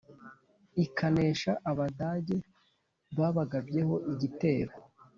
Ikanesha Abadage babagabyeho igitero